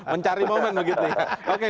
mencari momen begitu ya oke